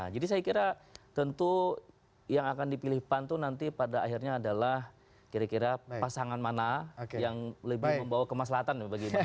jadi saya kira tentu yang akan dipilih pan itu nanti pada akhirnya adalah kira kira pasangan mana yang lebih membawa kemaslatan bagi kita